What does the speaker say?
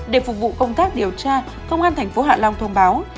để phục vụ công tác điều tra công an tp hạ long thông báo